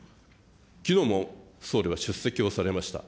きのうも総理は出席をされました。